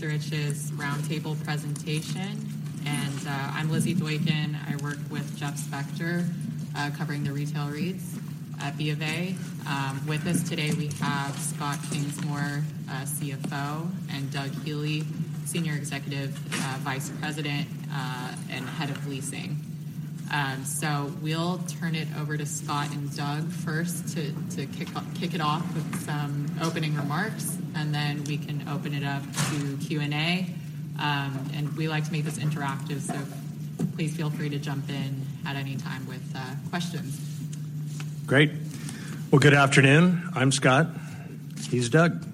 Macerich's roundtable presentation, and I'm Lizzy Doykan. I work with Jeff Spector covering the retail REITs at BofA. With us today, we have Scott Kingsmore, CFO, and Doug Healey, Senior Executive Vice President and Head of Leasing. So we'll turn it over to Scott and Doug first to kick it off with some opening remarks, and then we can open it up to Q&A. And we like to make this interactive, so please feel free to jump in at any time with questions. Great. Well, good afternoon. I'm Scott. He's Doug.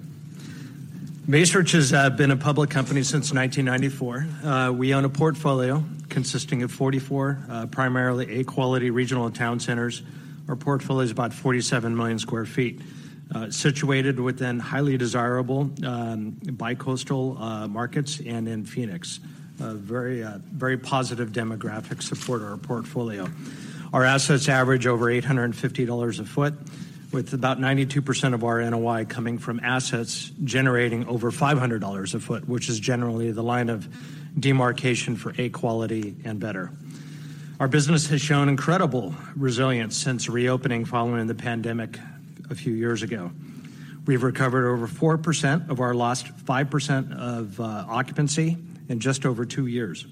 Macerich has been a public company since 1994. We own a portfolio consisting of 44 primarily A-quality regional and town centers. Our portfolio is about 47 million sq ft, situated within highly desirable bi-coastal markets and in Phoenix. Very positive demographics support our portfolio. Our assets average over $850 a foot, with about 92% of our NOI coming from assets generating over $500 a foot, which is generally the line of demarcation for A-quality and better. Our business has shown incredible resilience since reopening following the pandemic a few years ago. We've recovered over 4% of our lost 5% of occupancy in just over two years.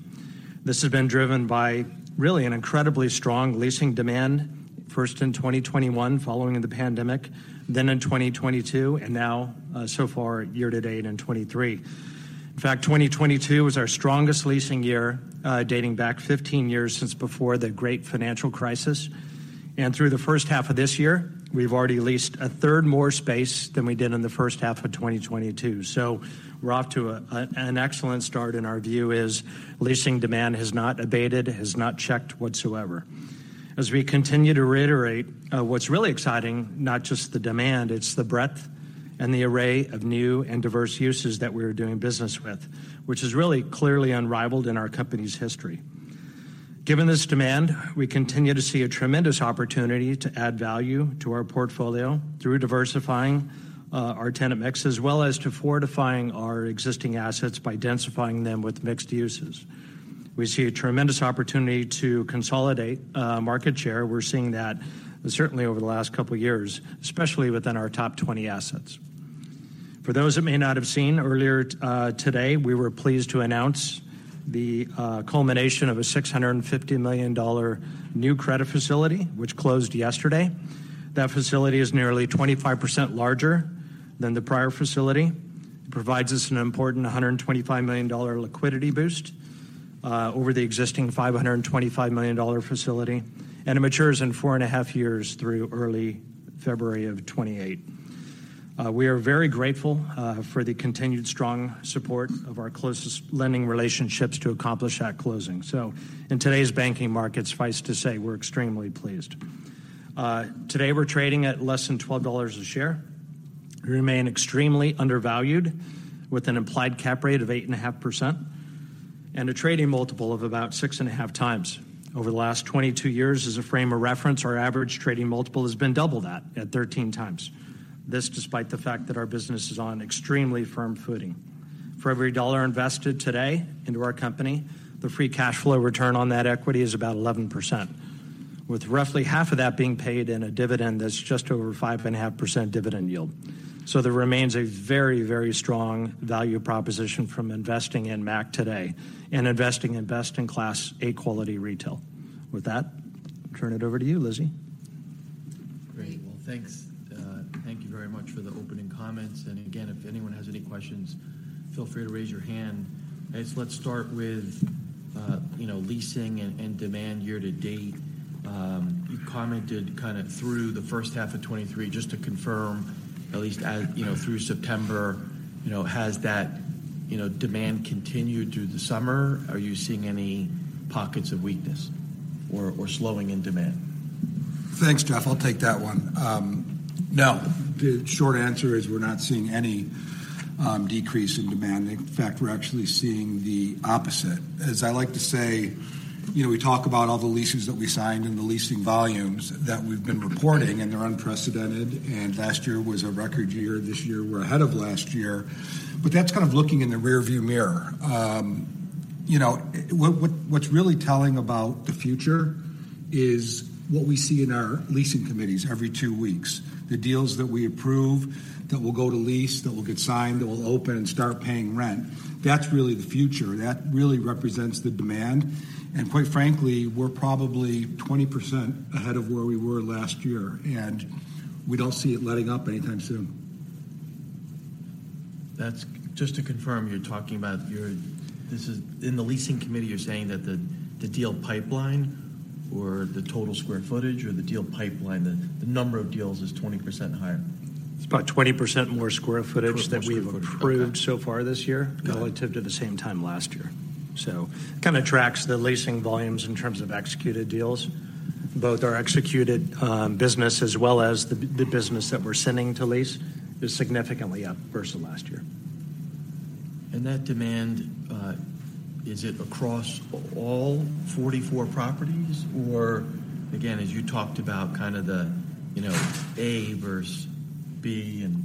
This has been driven by really an incredibly strong leasing demand, first in 2021 following the pandemic, then in 2022, and now, so far, year to date in 2023. In fact, 2022 was our strongest leasing year, dating back 15 years since before the great financial crisis. And through the first half of this year, we've already leased a third more space than we did in the first half of 2022. So we're off to an excellent start, and our view is leasing demand has not abated, has not checked whatsoever. As we continue to reiterate, what's really exciting, not just the demand, it's the breadth and the array of new and diverse uses that we're doing business with, which is really clearly unrivaled in our company's history. Given this demand, we continue to see a tremendous opportunity to add value to our portfolio through diversifying our tenant mix, as well as to fortifying our existing assets by densifying them with mixed uses. We see a tremendous opportunity to consolidate market share. We're seeing that certainly over the last couple of years, especially within our top 20 assets. For those that may not have seen earlier today, we were pleased to announce the culmination of a $650 million new credit facility, which closed yesterday. That facility is nearly 25% larger than the prior facility. It provides us an important $125 million liquidity boost over the existing $525 million facility, and it matures in four and a half years through early February of 2028. We are very grateful for the continued strong support of our closest lending relationships to accomplish that closing. So in today's banking market, suffice to say, we're extremely pleased. Today we're trading at less than $12 a share. We remain extremely undervalued, with an implied cap rate of 8.5% and a trading multiple of about 6.5x. Over the last 22 years, as a frame of reference, our average trading multiple has been double that, at 13x. This, despite the fact that our business is on extremely firm footing. For every $1 invested today into our company, the free cash flow return on that equity is about 11%, with roughly half of that being paid in a dividend that's just over 5.5% dividend yield. There remains a very, very strong value proposition from investing in MAC today and investing in best-in-class, A-quality retail. With that, I'll turn it over to you, Lizzy. Great. Well, thanks. Thank you very much for the opening comments. And again, if anyone has any questions, feel free to raise your hand. I guess let's start with, you know, leasing and demand year to date. You commented kind of through the first half of 2023, just to confirm, at least as, you know, through September, you know, has that, you know, demand continued through the summer? Are you seeing any pockets of weakness or slowing in demand? Thanks, Jeff. I'll take that one. No, the short answer is we're not seeing any decrease in demand. In fact, we're actually seeing the opposite. As I like to say, you know, we talk about all the leases that we signed and the leasing volumes that we've been reporting, and they're unprecedented, and last year was a record year. This year, we're ahead of last year, but that's kind of looking in the rearview mirror. You know, what's really telling about the future is what we see in our leasing committees every two weeks. The deals that we approve, that will go to lease, that will get signed, that will open and start paying rent, that's really the future. That really represents the demand. Quite frankly, we're probably 20% ahead of where we were last year, and we don't see it letting up anytime soon. That's just to confirm, you're talking about your... This is, in the leasing committee, you're saying that the deal pipeline or the total square footage or the deal pipeline, the number of deals is 20% higher? It's about 20% more square footage- More square footage. that we've approved so far this year Got it. Relative to the same time last year. So kind of tracks the leasing volumes in terms of executed deals. Both our executed business, as well as the business that we're sending to lease, is significantly up versus last year. That demand, is it across all 44 properties? Or again, as you talked about, kind of the, you know, A versus B, and,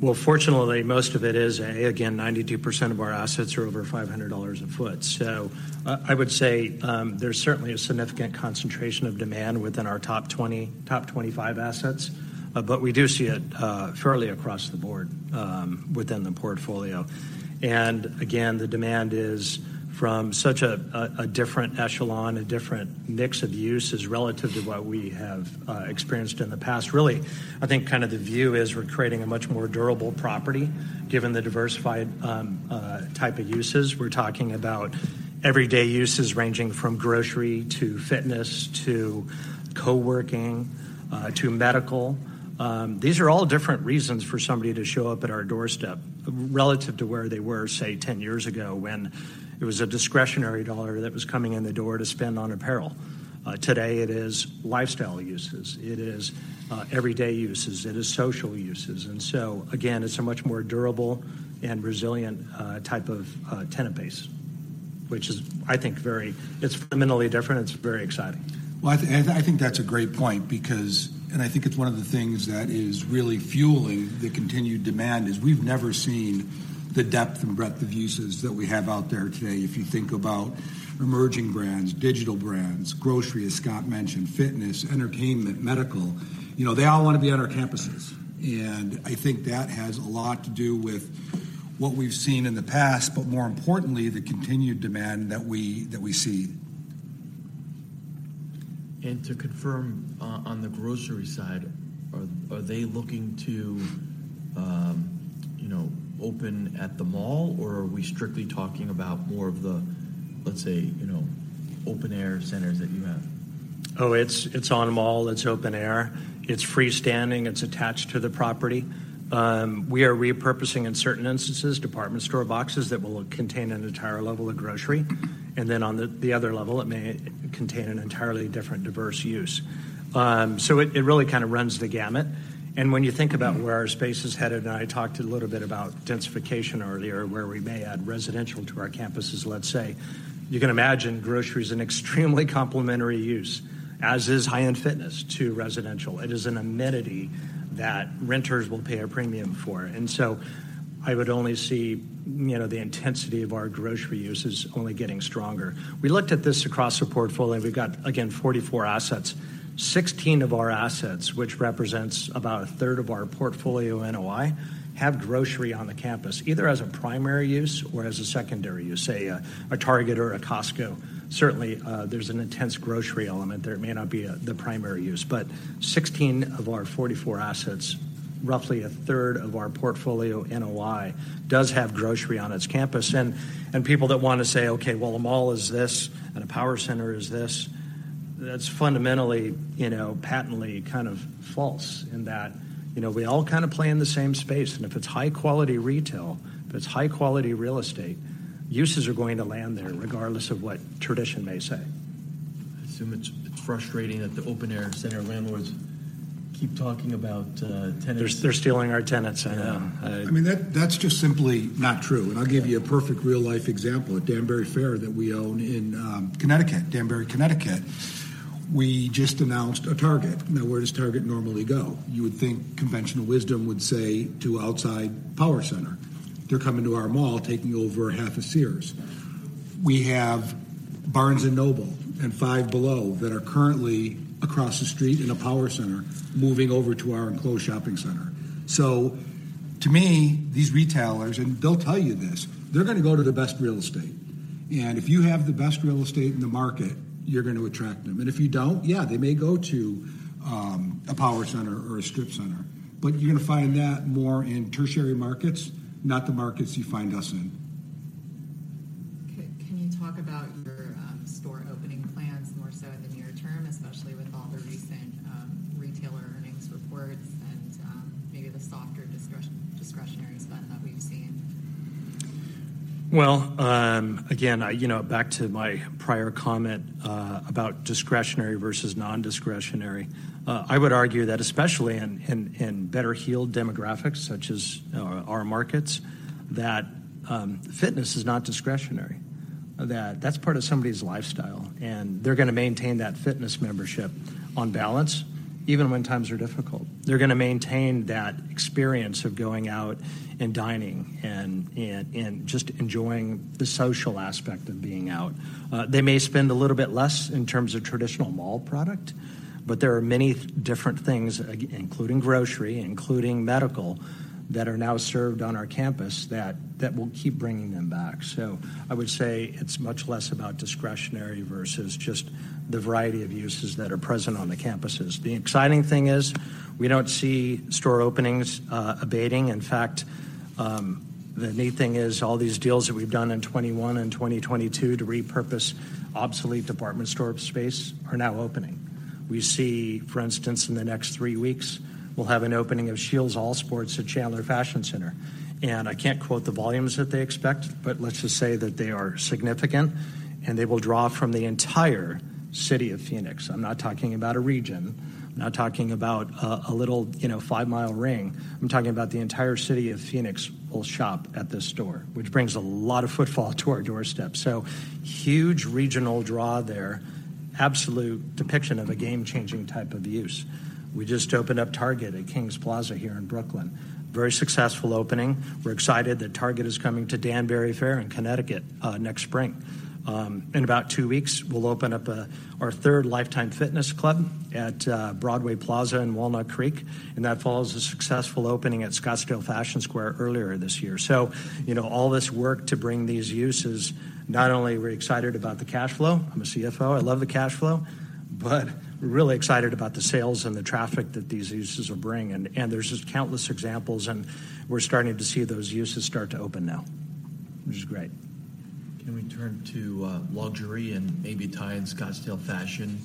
you know? Well, fortunately, most of it is A. Again, 92% of our assets are over $500 a foot. So, I would say, there's certainly a significant concentration of demand within our top 20, top 25 assets. But we do see it, fairly across the board, within the portfolio. And again, the demand is from such a different echelon, a different mix of uses relative to what we have, experienced in the past. Really, I think kind of the view is we're creating a much more durable property, given the diversified type of uses. We're talking about everyday uses, ranging from grocery, to fitness, to co-working, to medical. These are all different reasons for somebody to show up at our doorstep, relative to where they were, say, 10 years ago, when it was a discretionary dollar that was coming in the door to spend on apparel. Today, it is lifestyle uses. It is everyday uses. It is social uses. And so, again, it's a much more durable and resilient type of tenant base, which is, I think, very, it's fundamentally different. It's very exciting. Well, I think that's a great point because... And I think it's one of the things that is really fueling the continued demand, is we've never seen the depth and breadth of uses that we have out there today. If you think about emerging brands, digital brands, grocery, as Scott mentioned, fitness, entertainment, medical, you know, they all want to be on our campuses. And I think that has a lot to do with what we've seen in the past, but more importantly, the continued demand that we see. To confirm, on the grocery side, are they looking to, you know, open at the mall, or are we strictly talking about more of the, let's say, you know, open-air centers that you have? Oh, it's on a mall. It's open air. It's freestanding. It's attached to the property. We are repurposing, in certain instances, department store boxes that will contain an entire level of grocery. And then on the other level, it may contain an entirely different, diverse use. So it really kind of runs the gamut. And when you think about where our space is headed, and I talked a little bit about densification earlier, where we may add residential to our campuses, let's say, you can imagine grocery is an extremely complementary use, as is high-end fitness to residential. It is an amenity that renters will pay a premium for. And so I would only see, you know, the intensity of our grocery uses only getting stronger. We looked at this across the portfolio. We've got, again, 44 assets. 16 of our assets, which represents about a third of our portfolio NOI, have grocery on the campus, either as a primary use or as a secondary use, say, a Target or a Costco. Certainly, there's an intense grocery element there. It may not be the primary use, but 16 of our 44 assets, roughly a third of our portfolio NOI, does have grocery on its campus. And people that want to say, "Okay, well, a mall is this, and a power center is this," that's fundamentally, you know, patently kind of false, in that, you know, we all kind of play in the same space. And if it's high-quality retail, if it's high-quality real estate, uses are going to land there, regardless of what tradition may say. I assume it's frustrating that the open-air center landlords keep talking about tenants- They're stealing our tenants. Yeah. I, uh- I mean, that, that's just simply not true. Yeah. I'll give you a perfect real-life example. At Danbury Fair, that we own in Connecticut, Danbury, Connecticut, we just announced a Target. Now, where does Target normally go? You would think conventional wisdom would say to outside power center. They're coming to our mall, taking over half of Sears. We have Barnes & Noble and Five Below that are currently across the street in a power center, moving over to our enclosed shopping center. So to me, these retailers, and they'll tell you this, they're gonna go to the best real estate. And if you have the best real estate in the market, you're going to attract them. And if you don't, yeah, they may go to a power center or a strip center. But you're gonna find that more in tertiary markets, not the markets you find us in. Can you talk about your store opening plans more so in the near term, especially with all the recent retailer earnings reports and maybe the softer discretionary spend that we've seen? Well, again, I you know, back to my prior comment, about discretionary versus non-discretionary, I would argue that especially in better-heeled demographics, such as our markets, that fitness is not discretionary, that that's part of somebody's lifestyle, and they're gonna maintain that fitness membership on balance, even when times are difficult. They're gonna maintain that experience of going out and dining and just enjoying the social aspect of being out. They may spend a little bit less in terms of traditional mall product, but there are many different things, including grocery, including medical, that are now served on our campus, that will keep bringing them back. So I would say it's much less about discretionary versus just the variety of uses that are present on the campuses. The exciting thing is, we don't see store openings abating. In fact, the neat thing is all these deals that we've done in 2021 and 2022 to repurpose obsolete department store space are now opening. We see, for instance, in the next three weeks, we'll have an opening of Scheels. And I can't quote the volumes that they expect, but let's just say that they are significant, and they will draw from the entire city of Phoenix. I'm not talking about a region. I'm not talking about a, a little, you know, five-mile ring. I'm talking about the entire city of Phoenix will shop at this store, which brings a lot of footfall to our doorstep. So huge regional draw there.... absolute depiction of a game-changing type of use. We just opened up Target at Kings Plaza here in Brooklyn. Very successful opening. We're excited that Target is coming to Danbury Fair in Connecticut next spring. In about two weeks, we'll open up our third Life Time Fitness club at Broadway Plaza in Walnut Creek, and that follows a successful opening at Scottsdale Fashion Square earlier this year. So, you know, all this work to bring these uses, not only are we excited about the cash flow, I'm a CFO, I love the cash flow, but we're really excited about the sales and the traffic that these uses will bring, and there's just countless examples, and we're starting to see those uses start to open now, which is great. Can we turn to luxury and maybe tie in Scottsdale Fashion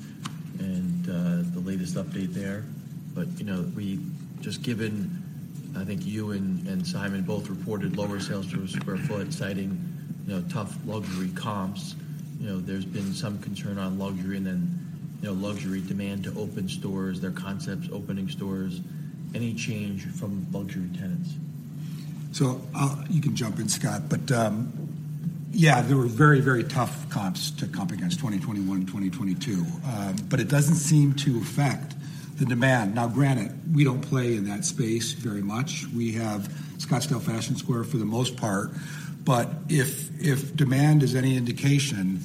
and the latest update there? But you know we just given I think you and and Simon both reported lower sales per square foot citing you know tough luxury comps. You know there's been some concern on luxury and then you know luxury demand to open stores their concepts opening stores. Any change from luxury tenants? So, you can jump in, Scott, but, yeah, they were very, very tough comps to comp against 2021, 2022. But it doesn't seem to affect the demand. Now, granted, we don't play in that space very much. We have Scottsdale Fashion Square for the most part. But if demand is any indication,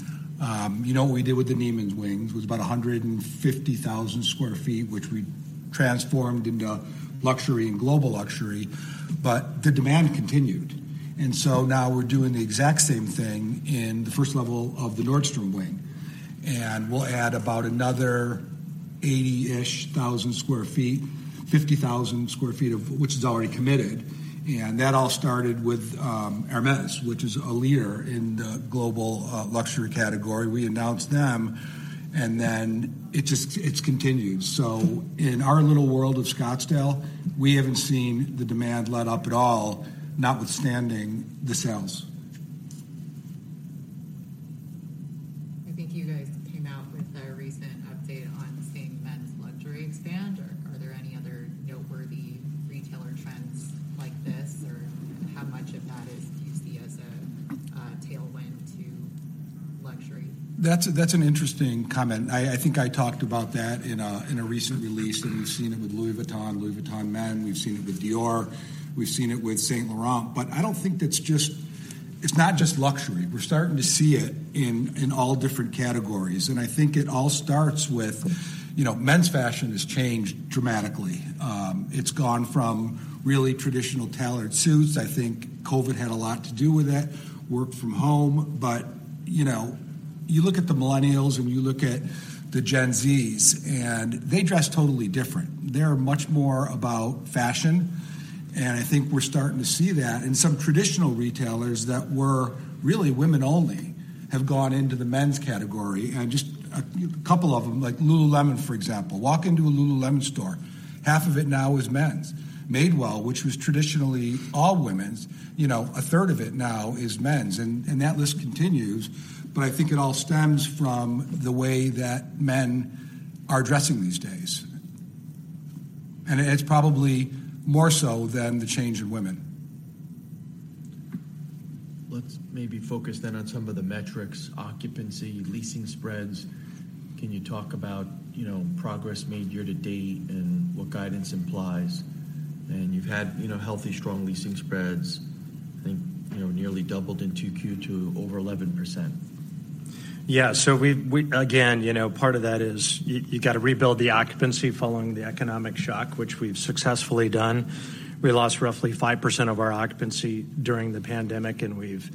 you know what we did with the Neiman's wing, it was about 150,000 sq ft, which we transformed into luxury and global luxury, but the demand continued. And so now we're doing the exact same thing in the first level of the Nordstrom wing. And we'll add about another 80-ish thousand sq ft, 50,000 sq ft of... which is already committed. And that all started with, Hermès, which is a leader in the global, luxury category. We announced them, and then it just, it's continued. So in our little world of Scottsdale, we haven't seen the demand let up at all, notwithstanding the sales. I think you guys came out with a recent update on seeing men's luxury expand, or are there any other noteworthy retailer trends like this? Or how much of that is... do you see as a, a tailwind to luxury? That's, that's an interesting comment. I think I talked about that in a recent release, and we've seen it with Louis Vuitton, Louis Vuitton Men. We've seen it with Dior. We've seen it with Saint Laurent. But I don't think that's just... It's not just luxury. We're starting to see it in all different categories, and I think it all starts with, you know, men's fashion has changed dramatically. It's gone from really traditional tailored suits. I think COVID had a lot to do with that, work from home. But, you know, you look at the Millennials, and you look at the Gen Zs, and they dress totally different. They're much more about fashion, and I think we're starting to see that. And some traditional retailers that were really women only have gone into the men's category. Just a couple of them, like Lululemon, for example. Walk into a Lululemon store, half of it now is men's. Madewell, which was traditionally all women's, you know, a third of it now is men's, and that list continues. But I think it all stems from the way that men are dressing these days, and it's probably more so than the change in women. Let's maybe focus then on some of the metrics, occupancy, leasing spreads. Can you talk about, you know, progress made year to date and what guidance implies? And you've had, you know, healthy, strong leasing spreads, I think, you know, nearly doubled in 2Q to over 11%. Yeah, so we-- again, you know, part of that is you gotta rebuild the occupancy following the economic shock, which we've successfully done. We lost roughly 5% of our occupancy during the pandemic, and we've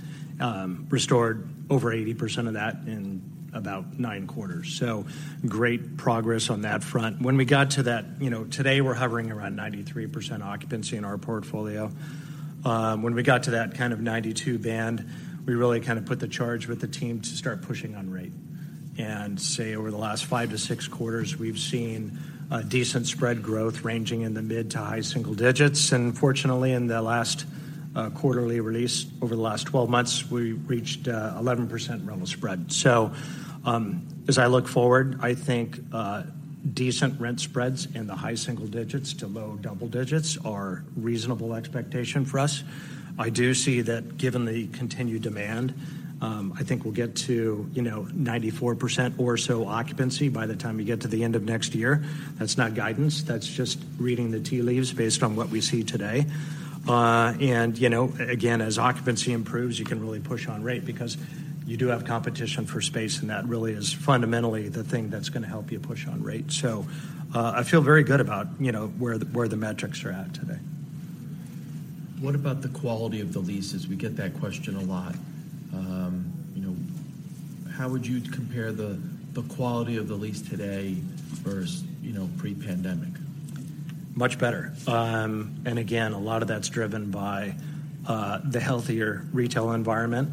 restored over 80% of that in about nine quarters. So great progress on that front. When we got to that... You know, today we're hovering around 93% occupancy in our portfolio. When we got to that kind of 92 band, we really kind of put the charge with the team to start pushing on rate. And, say, over the last five-six quarters, we've seen a decent spread growth ranging in the mid- to high-single digits. And fortunately, in the last quarterly release, over the last 12 months, we reached 11% rental spread. So, as I look forward, I think, decent rent spreads in the high single digits to low double digits are reasonable expectation for us. I do see that given the continued demand, I think we'll get to, you know, 94% or so occupancy by the time we get to the end of next year. That's not guidance. That's just reading the tea leaves based on what we see today. And, you know, again, as occupancy improves, you can really push on rate because you do have competition for space, and that really is fundamentally the thing that's gonna help you push on rate. So, I feel very good about, you know, where the, where the metrics are at today. What about the quality of the leases? We get that question a lot. You know, how would you compare the quality of the lease today versus, you know, pre-pandemic? Much better. And again, a lot of that's driven by the healthier retail environment.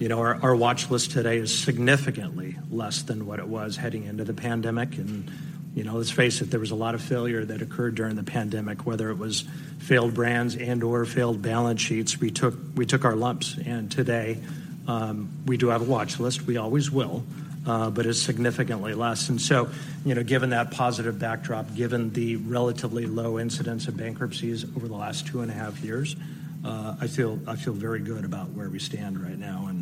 You know, our, our watch list today is significantly less than what it was heading into the pandemic. And, you know, let's face it, there was a lot of failure that occurred during the pandemic, whether it was failed brands and/or failed balance sheets. We took, we took our lumps, and today, we do have a watch list. We always will, but it's significantly less. And so, you know, given that positive backdrop, given the relatively low incidence of bankruptcies over the last two and a half years, I feel, I feel very good about it, where we stand right now and,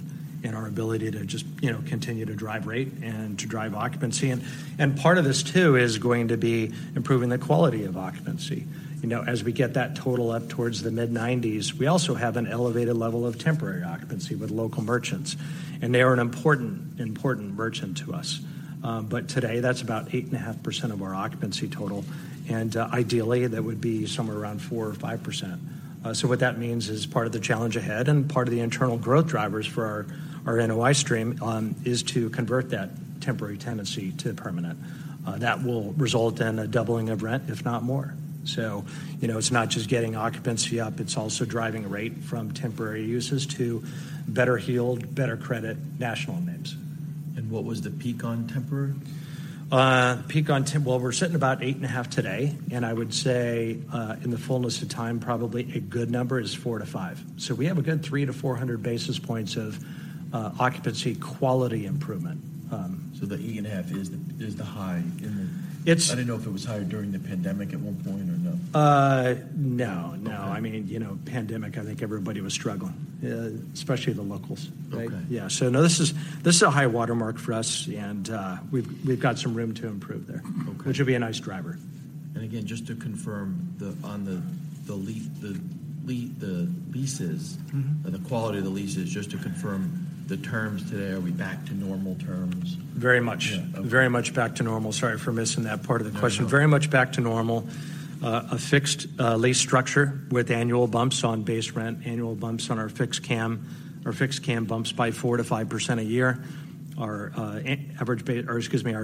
and our ability to just, you know, continue to drive rate and to drive occupancy. And part of this too, is going to be improving the quality of occupancy. You know, as we get that total up towards the mid-90s, we also have an elevated level of temporary occupancy with local merchants, and they are an important, important merchant to us. But today, that's about 8.5% of our occupancy total, and, ideally, that would be somewhere around 4% or 5%. So what that means is part of the challenge ahead and part of the internal growth drivers for our, our NOI stream, is to convert that temporary tenancy to permanent. That will result in a doubling of rent, if not more. So, you know, it's not just getting occupancy up, it's also driving rate from temporary uses to better heeled, better credit, national names. What was the peak on temporary? Well, we're sitting about 8.5 today, and I would say, in the fullness of time, probably a good number is four-five. So we have a good 300-400 basis points of occupancy quality improvement. The 8.5 is the high in the- It's- I didn't know if it was higher during the pandemic at one point or no? No, no. Okay. I mean, you know, pandemic, I think everybody was struggling, especially the locals, right? Okay. Yeah. So no, this is a high watermark for us, and we've got some room to improve there. Okay. Which will be a nice driver. And again, just to confirm, the leases- Mm-hmm. and the quality of the leases, just to confirm the terms today, are we back to normal terms? Very much. Yeah, okay. Very much back to normal. Sorry for missing that part of the question. No. Very much back to normal. A fixed lease structure with annual bumps on base rent, annual bumps on our fixed CAM. Our fixed CAM bumps by 4%-5% a year. Our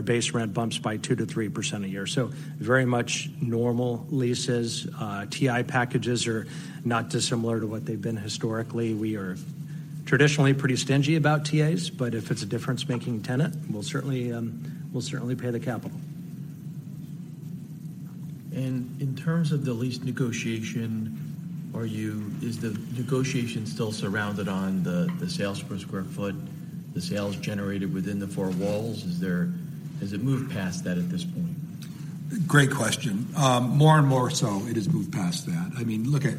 base rent bumps by 2%-3% a year. So very much normal leases. TI packages are not dissimilar to what they've been historically. We are traditionally pretty stingy about TIs, but if it's a difference-making tenant, we'll certainly, we'll certainly pay the capital. In terms of the lease negotiation, is the negotiation still surrounded on the, the sales per square foot, the sales generated within the four walls? Is there... Has it moved past that at this point? Great question. More and more so, it has moved past that. I mean, look at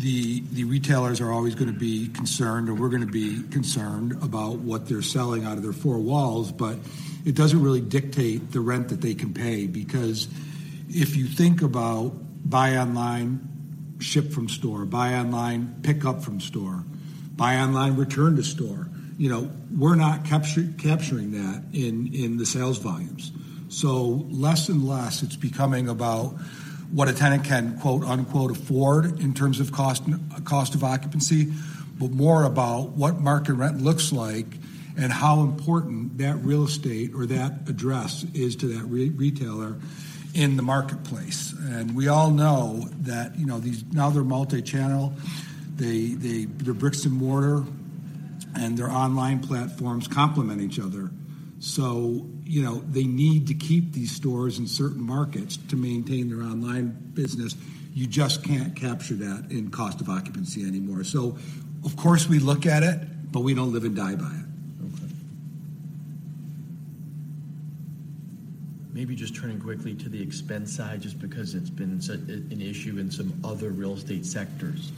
the retailers are always gonna be concerned, or we're gonna be concerned about what they're selling out of their four walls, but it doesn't really dictate the rent that they can pay. Because if you think about buy online, ship from store, buy online, pick up from store, buy online, return to store, you know, we're not capturing that in the sales volumes. So less and less, it's becoming about what a tenant can, quote, unquote, "afford" in terms of cost of occupancy, but more about what market rent looks like and how important that real estate or that address is to that retailer in the marketplace. And we all know that, you know, these now they're multi-channel. Their bricks and mortar and their online platforms complement each other. So, you know, they need to keep these stores in certain markets to maintain their online business. You just can't capture that in cost of occupancy anymore. So of course, we look at it, but we don't live and die by it. Okay. Maybe just turning quickly to the expense side, just because it's been such an issue in some other real estate sectors.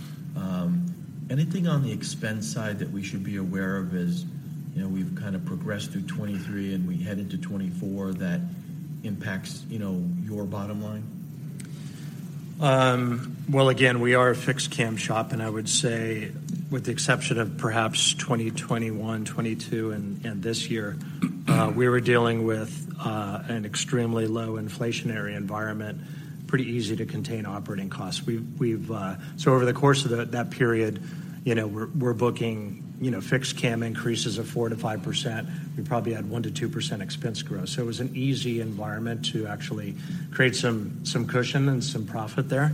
Anything on the expense side that we should be aware of as, you know, we've kind of progressed through 2023, and we head into 2024, that impacts, you know, your bottom line? Well, again, we are a fixed CAM shop, and I would say with the exception of perhaps 2021, 2022, and this year, we were dealing with an extremely low inflationary environment, pretty easy to contain operating costs. So over the course of that period, you know, we're booking, you know, fixed CAM increases of 4%-5%. We probably had 1%-2% expense growth. So it was an easy environment to actually create some cushion and some profit there.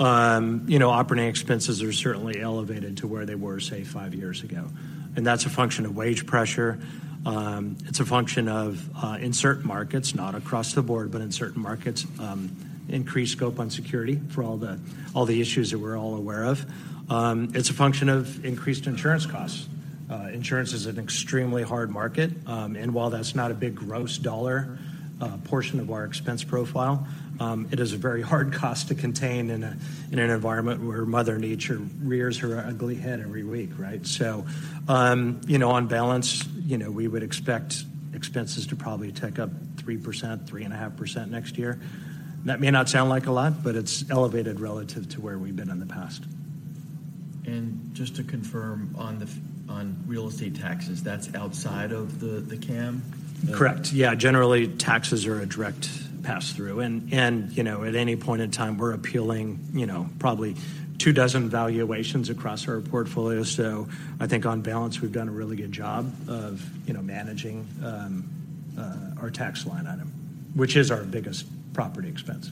You know, operating expenses are certainly elevated to where they were, say, five years ago, and that's a function of wage pressure. It's a function of, in certain markets, not across the board, but in certain markets, increased scope on security for all the issues that we're all aware of. It's a function of increased insurance costs. Insurance is an extremely hard market, and while that's not a big gross dollar portion of our expense profile, it is a very hard cost to contain in an environment where Mother Nature rears her ugly head every week, right? So, you know, on balance, you know, we would expect expenses to probably tick up 3%, 3.5% next year. That may not sound like a lot, but it's elevated relative to where we've been in the past. Just to confirm on real estate taxes, that's outside of the CAM? Correct. Yeah, generally, taxes are a direct pass-through. And you know, at any point in time, we're appealing, you know, probably two dozen valuations across our portfolio. So I think on balance, we've done a really good job of, you know, managing our tax line item, which is our biggest property expense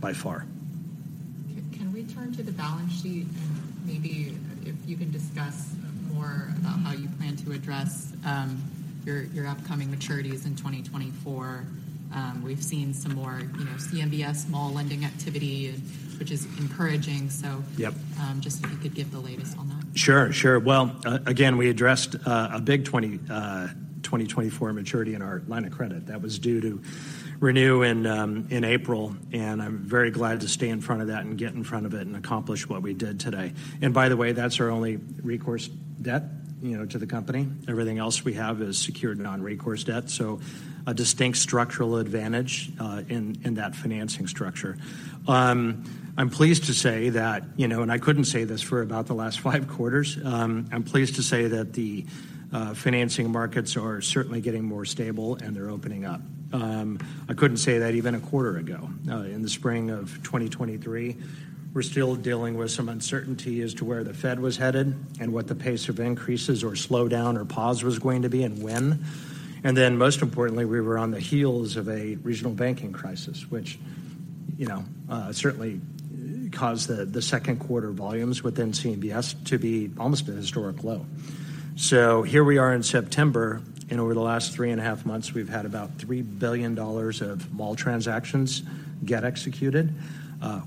by far. Can we turn to the balance sheet? And maybe if you can discuss more about how you plan to address your upcoming maturities in 2024. We've seen some more, you know, CMBS small lending activity, and which is encouraging, so- Yep. Just if you could give the latest on that. Sure, sure. Well, again, we addressed a big 2024 maturity in our line of credit. That was due to renew in April, and I'm very glad to stay in front of that and get in front of it and accomplish what we did today. By the way, that's our only recourse debt, you know, to the company. Everything else we have is secured non-recourse debt, so a distinct structural advantage in that financing structure. I'm pleased to say that, you know, and I couldn't say this for about the last five quarters. I'm pleased to say that the financing markets are certainly getting more stable, and they're opening up. I couldn't say that even a quarter ago. In the spring of 2023, we're still dealing with some uncertainty as to where the Fed was headed and what the pace of increases or slowdown or pause was going to be and when. And then, most importantly, we were on the heels of a regional banking crisis, which, you know, certainly caused the second quarter volumes within CMBS to be almost at a historic low. So here we are in September, and over the last three and a half months, we've had about $3 billion of mall transactions get executed.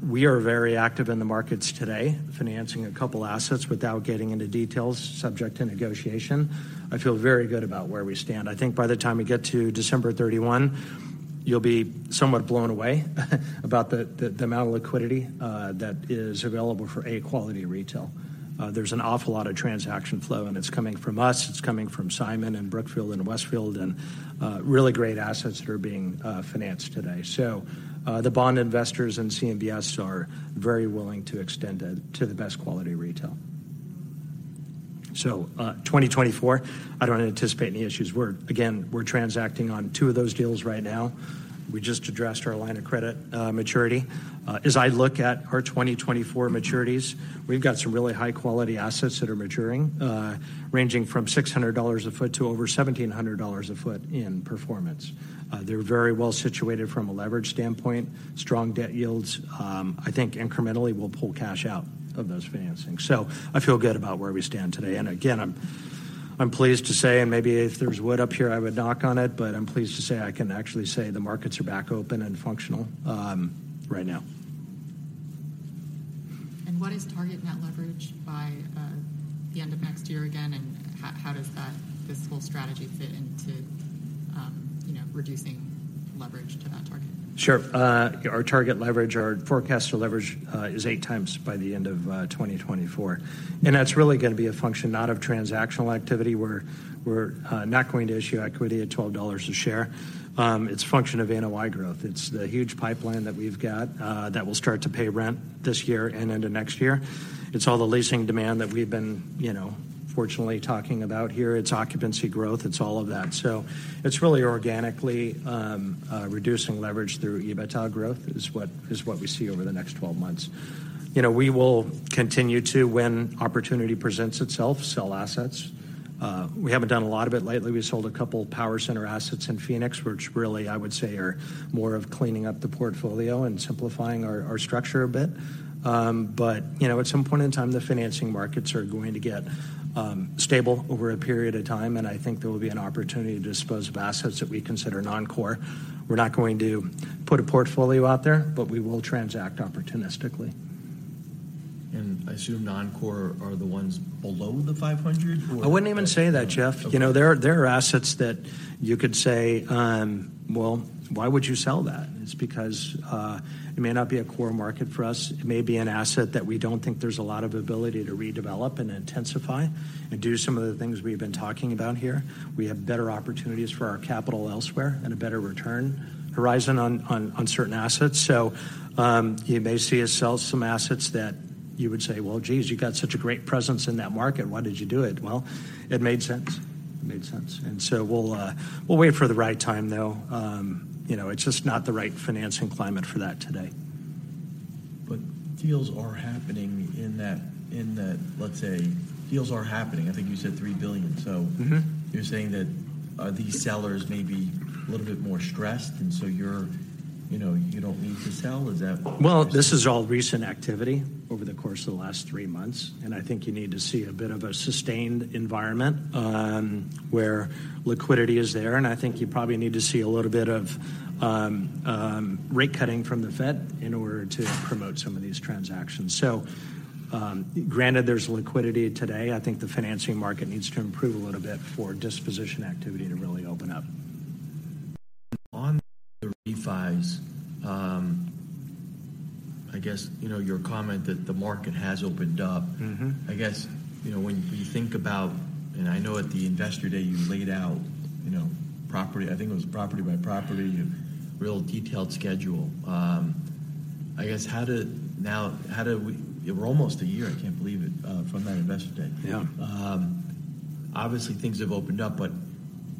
We are very active in the markets today, financing a couple assets without getting into details, subject to negotiation. I feel very good about where we stand. I think by the time we get to December 31, you'll be somewhat blown away about the amount of liquidity that is available for A-quality retail. There's an awful lot of transaction flow, and it's coming from us, it's coming from Simon and Brookfield and Westfield, and really great assets that are being financed today. So, the bond investors in CMBS are very willing to extend to the best quality retail. So, 2024, I don't anticipate any issues. We're again, we're transacting on two of those deals right now. We just addressed our line of credit maturity. As I look at our 2024 maturities, we've got some really high-quality assets that are maturing, ranging from $600 a foot to over $1,700 a foot in performance. They're very well situated from a leverage standpoint, strong debt yields. I think incrementally, we'll pull cash out of those financings. So I feel good about where we stand today. And again, I'm pleased to say, and maybe if there's wood up here, I would knock on it, but I'm pleased to say I can actually say the markets are back open and functional, right now. What is target net leverage by the end of next year again, and how does that, this whole strategy fit into, you know, reducing leverage to that target? Sure. Our target leverage, our forecast for leverage, is 8x by the end of 2024. That's really gonna be a function not of transactional activity, where we're not going to issue equity at $12 a share. It's a function of NOI growth. It's the huge pipeline that we've got that will start to pay rent this year and into next year. It's all the leasing demand that we've been, you know, fortunately talking about here. It's occupancy growth. It's all of that. So it's really organically reducing leverage through EBITDA growth, is what we see over the next 12 months. You know, we will continue to, when opportunity presents itself, sell assets. We haven't done a lot of it lately. We sold a couple of power center assets in Phoenix, which really, I would say, are more of cleaning up the portfolio and simplifying our structure a bit. But, you know, at some point in time, the financing markets are going to get stable over a period of time, and I think there will be an opportunity to dispose of assets that we consider non-core. We're not going to put a portfolio out there, but we will transact opportunistically. I assume non-core are the ones below the 500, or? I wouldn't even say that, Jeff. Okay. You know, there are, there are assets that you could say, well, why would you sell that? It's because it may not be a core market for us. It may be an asset that we don't think there's a lot of ability to redevelop and intensify and do some of the things we've been talking about here. We have better opportunities for our capital elsewhere and a better return horizon on certain assets. So, you may see us sell some assets that you would say, "Well, geez, you've got such a great presence in that market. Why did you do it?" Well, it made sense. It made sense. And so we'll wait for the right time, though. You know, it's just not the right financing climate for that today. But deals are happening. Let's say, deals are happening. I think you said $3 billion. Mm-hmm. So you're saying that these sellers may be a little bit more stressed, and so you're, you know, you don't need to sell, is that? Well, this is all recent activity over the course of the last three months, and I think you need to see a bit of a sustained environment where liquidity is there. I think you probably need to see a little bit of rate cutting from the Fed in order to promote some of these transactions. Granted there's liquidity today, I think the financing market needs to improve a little bit for disposition activity to really open up. On the refis, I guess, you know, your comment that the market has opened up. Mm-hmm. I guess, you know, when you think about, and I know at the Investor Day, you laid out, you know, property, I think it was property by property, a real detailed schedule. I guess, how do we- we're almost a year, I can't believe it, from that Investor Day. Yeah. Obviously, things have opened up, but,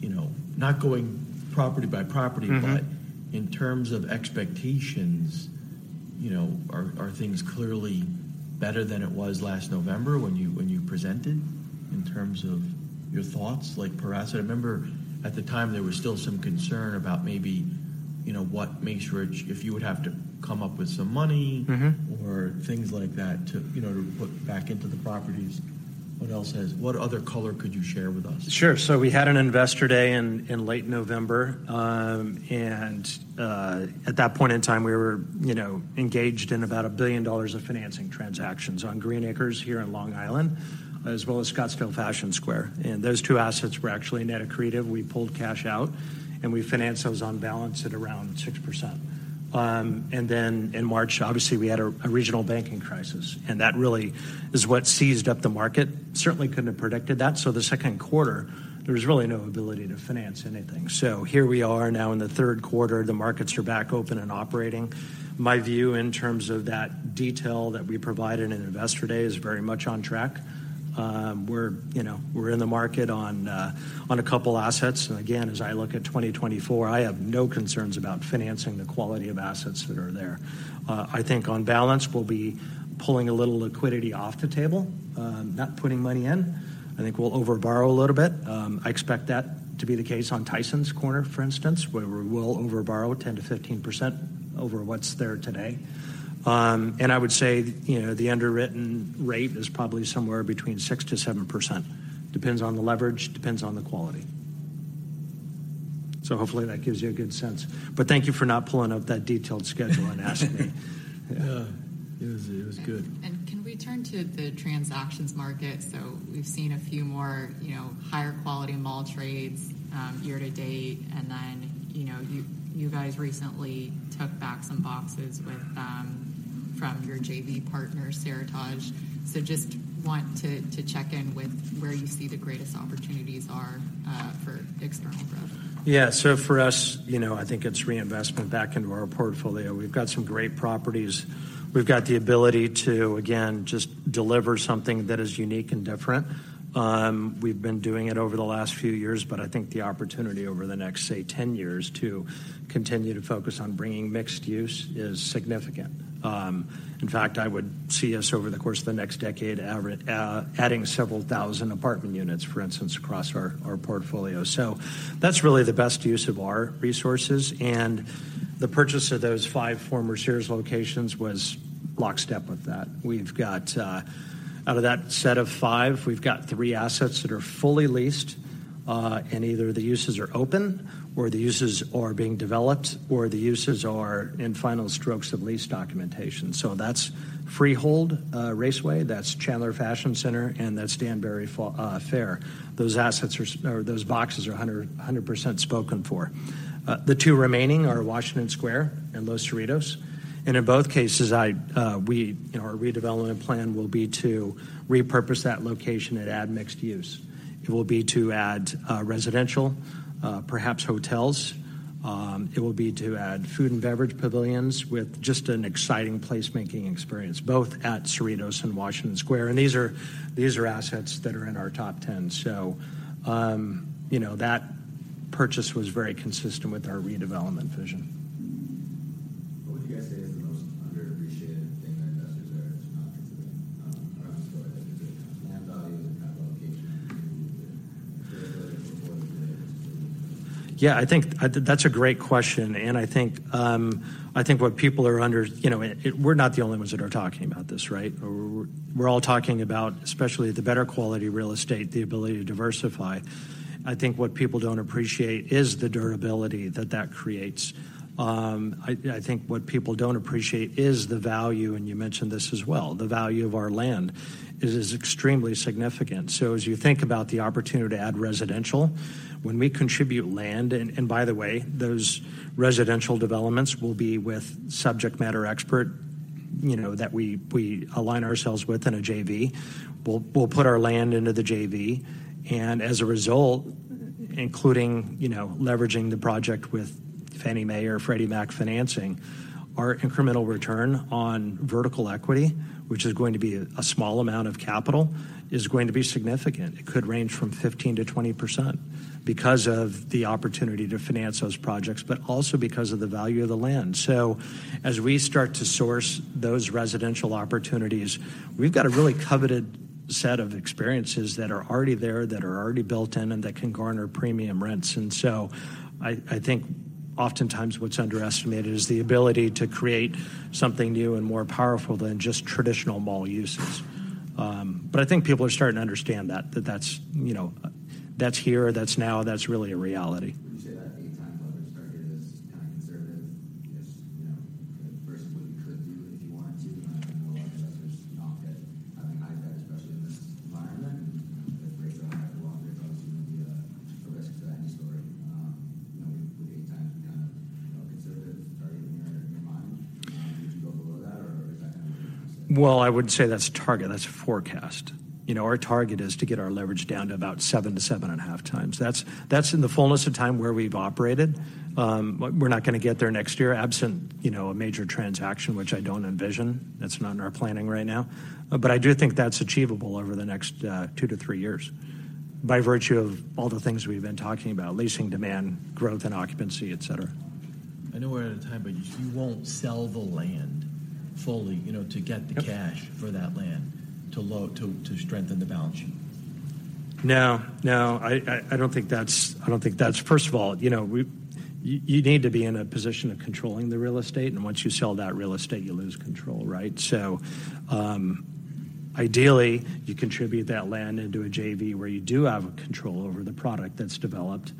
you know, not going property by property- Mm-hmm... but in terms of expectations, you know, are things clearly better than it was last November when you, when you presented, in terms of your thoughts, like, perhaps... I remember at the time, there was still some concern about maybe, you know, what Macerich would have to come up with some money- Mm-hmm... or things like that to, you know, to put back into the properties. What other color could you share with us? Sure. So we had an Investor Day in late November. At that point in time, we were, you know, engaged in about $1 billion of financing transactions on Green Acres here in Long Island, as well as Scottsdale Fashion Square. And those two assets were actually net accretive. We pulled cash out, and we financed those on balance at around 6%. And then in March, obviously, we had a regional banking crisis, and that really is what seized up the market. Certainly couldn't have predicted that. So the second quarter, there was really no ability to finance anything. So here we are now in the third quarter, the markets are back open and operating. My view in terms of that detail that we provided in Investor Day is very much on track. We're, you know, in the market on a couple assets. And again, as I look at 2024, I have no concerns about financing the quality of assets that are there. I think on balance, we'll be pulling a little liquidity off the table, not putting money in. I think we'll overborrow a little bit. I expect that to be the case on Tysons Corner, for instance, where we will overborrow 10%-15% over what's there today. And I would say, you know, the underwritten rate is probably somewhere between 6%-7%. Depends on the leverage, depends on the quality. So hopefully that gives you a good sense. But thank you for not pulling up that detailed schedule and asking me. Yeah, it was, it was good. Can we turn to the transactions market? So we've seen a few more, you know, higher quality mall trades year to date. And then, you know, you guys recently took back some boxes from your JV partner, Seritage. So just want to check in with where you see the greatest opportunities are for external growth. Yeah. So for us, you know, I think it's reinvestment back into our portfolio. We've got some great properties. We've got the ability to, again, just deliver something that is unique and different. We've been doing it over the last few years, but I think the opportunity over the next, say, 10 years to continue to focus on bringing mixed use is significant. In fact, I would see us over the course of the next decade, adding several thousand apartment units, for instance, across our, our portfolio. So that's really the best use of our resources, and the purchase of those 5 former Sears locations was lockstep with that. We've got... Out of that set of five, we've got three assets that are fully leased, and either the uses are open or the uses are being developed or the uses are in final strokes of lease documentation. So that's Freehold Raceway, that's Chandler Fashion Center, and that's Danbury Fair. Those assets are or those boxes are 100, 100% spoken for. The two remaining are Washington Square and Los Cerritos. And in both cases, I, we, you know, our redevelopment plan will be to repurpose that location and add mixed use. It will be to add residential, perhaps hotels. It will be to add food and beverage pavilions with just an exciting place-making experience, both at Cerritos and Washington Square. And these are, these are assets that are in our top 10. You know, that purchase was very consistent with our redevelopment vision. What would you guys say is the most underappreciated thing that investors are not considering, around store and location? Yeah, I think that's a great question. And I think I think what people are under... You know, we're not the only ones that are talking about this, right? We're all talking about, especially the better quality real estate, the ability to diversify. I think what people don't appreciate is the durability that that creates. I think what people don't appreciate is the value, and you mentioned this as well, the value of our land. It is extremely significant. So as you think about the opportunity to add residential, when we contribute land... And by the way, those residential developments will be with subject matter expert, you know, that we align ourselves with in a JV. We'll put our land into the JV, and as a result, including, you know, leveraging the project with Fannie Mae or Freddie Mac financing, our incremental return on vertical equity, which is going to be a small amount of capital, is going to be significant. It could range from 15%-20% because of the opportunity to finance those projects, but also because of the value of the land. So as we start to source those residential opportunities, we've got a really coveted set of experiences that are already there, that are already built in, and that can garner premium rents. And so I think oftentimes what's underestimated is the ability to create something new and more powerful than just traditional mall uses. But I think people are starting to understand that that's, you know, that's here, that's now, that's really a reality. Would fully, you know, to get the cash- Yep... for that land, to strengthen the balance sheet? No, I don't think that's... First of all, you know, you need to be in a position of controlling the real estate, and once you sell that real estate, you lose control, right? So, ideally, you contribute that land into a JV where you do have control over the product that's developed,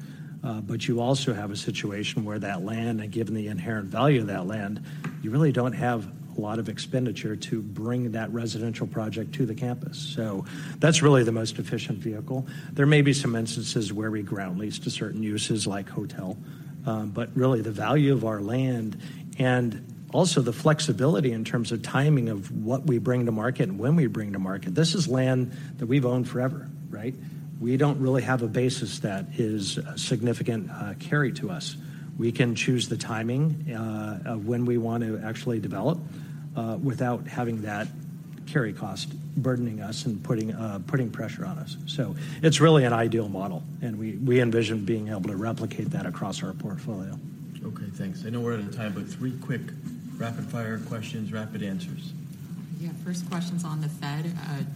but you also have a situation where that land, and given the inherent value of that land, you really don't have a lot of expenditure to bring that residential project to the campus. So that's really the most efficient vehicle. There may be some instances where we ground lease to certain uses, like hotel. But really, the value of our land and also the flexibility in terms of timing of what we bring to market and when we bring to market, this is land that we've owned forever, right? We don't really have a basis that is significant, carry to us. We can choose the timing of when we want to actually develop without having that carry cost burdening us and putting pressure on us. So it's really an ideal model, and we envision being able to replicate that across our portfolio. Okay, thanks. I know we're out of time, but three quick, rapid-fire questions, rapid answers. Yeah. First question's on the Fed.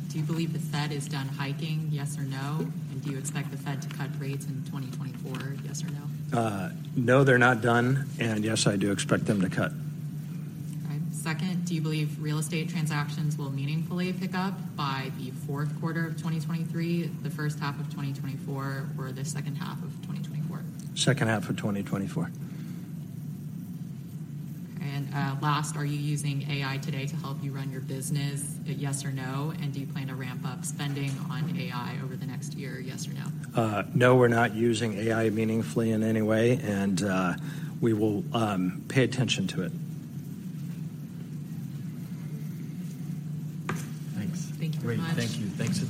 Do you believe the Fed is done hiking, yes or no? And do you expect the Fed to cut rates in 2024, yes or no? No, they're not done, and yes, I do expect them to cut. All right. Second, do you believe real estate transactions will meaningfully pick up by the fourth quarter of 2023, the first half of 2024, or the second half of 2024? Second half of 2024. Last, are you using AI today to help you run your business, yes or no? And do you plan to ramp up spending on AI over the next year, yes or no? No, we're not using AI meaningfully in any way, and we will pay attention to it. Thanks. Thank you very much. Great. Thank you. Thanks again.